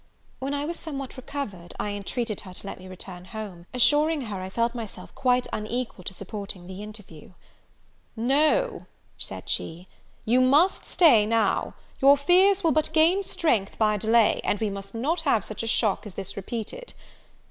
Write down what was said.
When I was somewhat recovered, I intreated her to let me return home, assuring her I felt myself quite unequal to supporting the interview. "No," said she; "you must stay now: your fears will but gain strength by delay; and we must not have such a shock as this repeated."